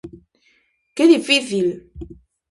Que difícil!